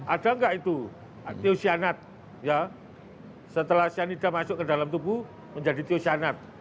ada gak itu tiosianat setelah cyanida masuk ke dalam tubuh menjadi tiosianat